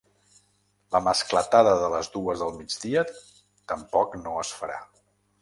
La mascletada de les dues del migdia tampoc no es farà.